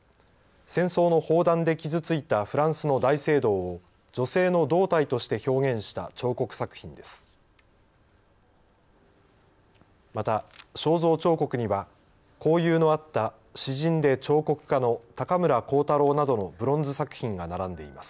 戦争の砲弾で傷ついたフランスの大聖堂を女性の胴体として表現した彫刻作品です。